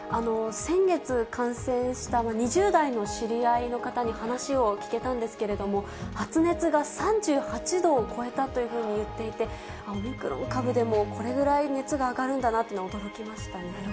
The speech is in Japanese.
先月感染した、２０代の知り合いの方に話を聞けたんですけれども、発熱が３８度を超えたというふうに言っていて、オミクロン株でもこれぐらい熱が上がるんだなっていうのに驚きましたね。